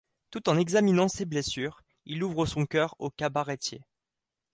Tout en examinant ses blessures, il ouvre son cœur au cabaretier.